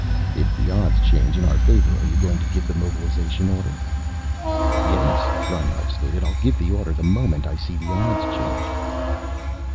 "If the odds change in our favor are you going to give the mobilization order?" "Yes," Reinhart stated. "I'll give the order the moment I see the odds change."